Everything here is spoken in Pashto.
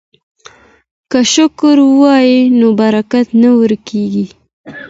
که شکر وي نو برکت نه ورکیږي.